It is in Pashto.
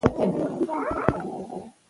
اقتصاد د پانګې د ګټې او تاوان ارزونه کوي.